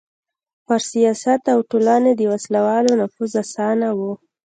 پر سیاست او ټولنې د وسله والو نفوذ اسانه و.